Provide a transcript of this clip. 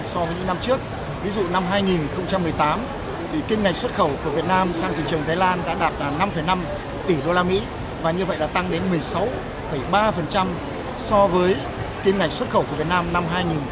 so với những năm trước ví dụ năm hai nghìn một mươi tám kim ngạch xuất khẩu của việt nam sang thị trường thái lan đã đạt năm năm tỷ usd và như vậy đã tăng đến một mươi sáu ba so với kim ngạch xuất khẩu của việt nam năm hai nghìn một mươi bảy